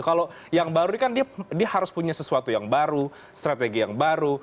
kalau yang baru ini kan dia harus punya sesuatu yang baru strategi yang baru